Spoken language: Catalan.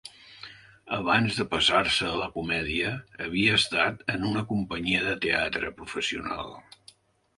Abans de passar-se a la comèdia, havia estat en una companyia de teatre professional.